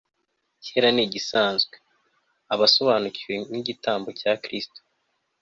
icyera nigisanzwe Abasobanukiwe nigitambo cya Kristo